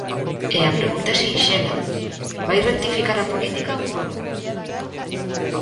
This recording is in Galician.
E a pregunta é sinxela: ¿vai rectificar a política ou non?